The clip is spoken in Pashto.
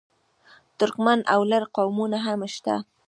ترکمن او لر قومونه هم شته.